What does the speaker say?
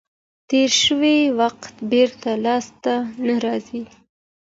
تیر شوی وخت بېرته لاس ته نه راځي.